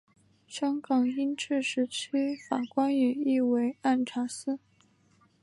香港英治时期法官也译为按察司。